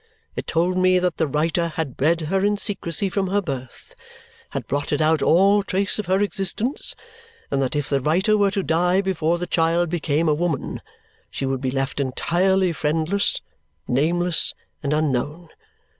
It told me that the writer had bred her in secrecy from her birth, had blotted out all trace of her existence, and that if the writer were to die before the child became a woman, she would be left entirely friendless, nameless, and unknown.